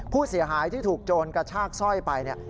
ผู้เสียหายที่ถูกโจรกระชากสร้อยไปเนี่ย